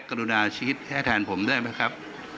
คิดแรกกรุณาชีวิตแทนผมได้ไหมครับ